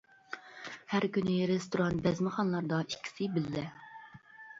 ھەر كۈنى رېستوران، بەزمىخانىلاردا ئىككىسى بىللە.